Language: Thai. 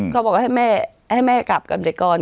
ก็บอกให้แม่กลับกันได้ก่อน